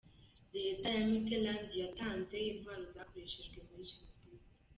Leta ya Mitterand yatanze intwaro zakoreshejwe muri Jenoside